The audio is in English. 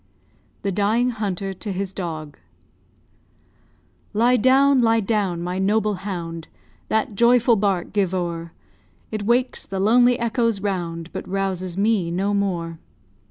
THE DYING HUNTER TO HIS DOG Lie down, lie down, my noble hound! That joyful bark give o'er; It wakes the lonely echoes round, But rouses me no more.